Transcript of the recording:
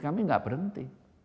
kami tidak berhenti